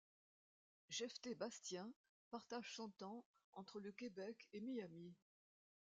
Jephté Bastien partage son temps entre le Québec et Miami.